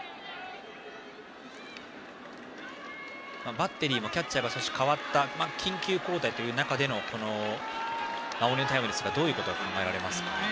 バッテリーもキャッチャーが代わった緊急交代という中での守りのタイムですがどういうことが考えられますか。